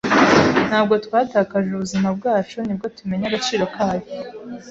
Ntabwo twatakaje ubuzima bwacu ni bwo tumenya agaciro kayo.